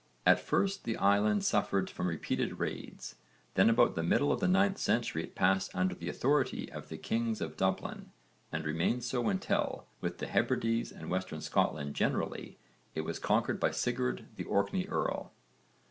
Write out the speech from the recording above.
At first the island suffered from repeated raids, then about the middle of the 9th century it passed under the authority of the kings of Dublin and remained so until, with the Hebrides and Western Scotland generally, it was conquered by Sigurd the Orkney earl.